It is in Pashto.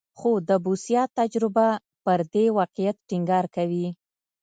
خو د بوسیا تجربه پر دې واقعیت ټینګار کوي.